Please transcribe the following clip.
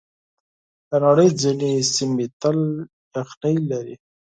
د نړۍ ځینې سیمې تل یخنۍ لري.